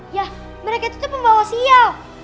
iya mereka tuh pembawa sial